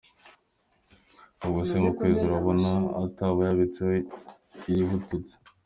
Ubwo se mu kwezi urabona ataba yibitseho iritubutse.